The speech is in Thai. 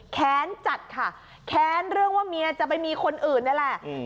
แค้นจัดค่ะแค้นเรื่องว่าเมียจะไปมีคนอื่นนี่แหละ